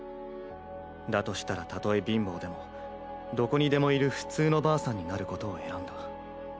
だとしたらたとえ貧乏でもどこにでもいる普通のばあさんになることを選んだ。